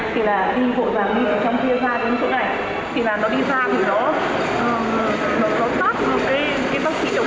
thì là đi vội vàng đi từ trong kia ra đến chỗ này thì là nó đi ra thì nó tắt cái bác sĩ đầu tiên